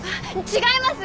違います！